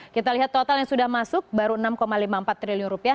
kita lihat total yang sudah masuk baru enam lima puluh empat triliun rupiah